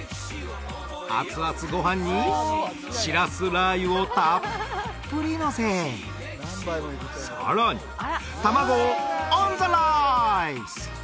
熱々ご飯にしらすラー油をたっぷりのせさらに卵をオンザライス！